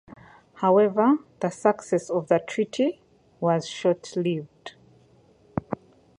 However, the success of the treaty was short-lived.